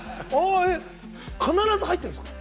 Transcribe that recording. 必ず入ってるんですか？